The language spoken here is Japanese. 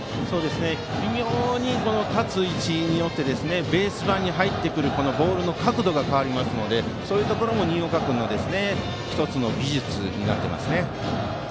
微妙に、立つ位置によってベース板に入ってくるボールの角度が変わるのでそういうところも新岡君の１つの技術になっています。